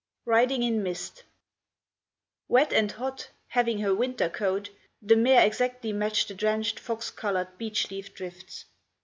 RIDING IN MIST Wet and hot, having her winter coat, the mare exactly matched the drenched fox coloured beech leaf drifts.